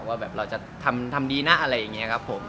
ว่าแบบเราจะทำดีนะอะไรอย่างนี้ครับผม